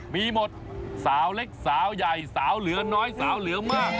มีหมดสาวเล็กสาวใหญ่สาวเหลือน้อยสาวเหลือมาก